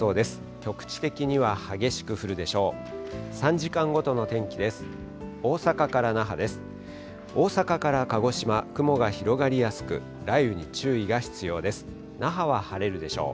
局地的には激しく降るでしょう。